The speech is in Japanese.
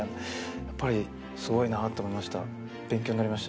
やっぱりすごいなって思いました。